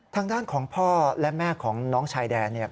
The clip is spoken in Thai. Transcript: ทางด้านของพ่อและแม่ของน้องชายแดนเนี่ย